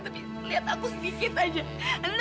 tapi lihat aku sedikit aja